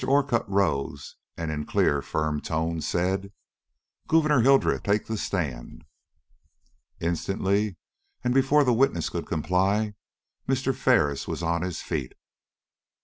Orcutt rose, and in clear, firm tones said: "Gouverneur Hildreth, take the stand." Instantly, and before the witness could comply, Mr. Ferris was on his feet.